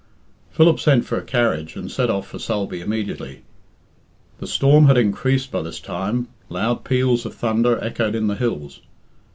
Philip sent for a carriage, and set off for Sulby immediately. The storm had increased by this time. Loud peals of thunder echoed in the hills.